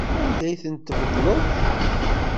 Anda ay ten-tbeddleḍ?